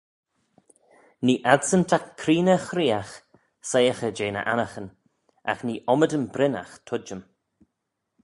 Nee adsyn ta creeney-chreeagh soiaghey jeh ny annaghyn: agh nee ommydan brynnagh tuittym.